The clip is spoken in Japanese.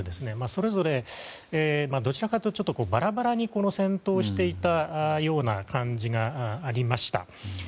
それぞれ、どちらかというとバラバラに戦闘していたような感じがありました。